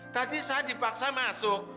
tadi saya dipaksa masuk